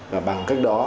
và bằng cách đó